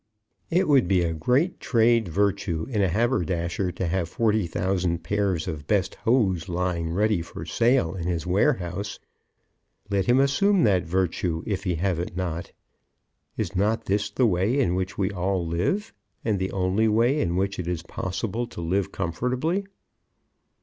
It would be a great trade virtue in a haberdasher to have forty thousand pairs of best hose lying ready for sale in his warehouse. Let him assume that virtue if he have it not. Is not this the way in which we all live, and the only way in which it is possible to live comfortably.